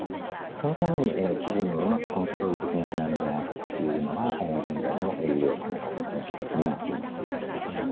そのために気分をうまくコントロールできなくなるんじゃないかというのが現在の有力な仮説の一つになっています。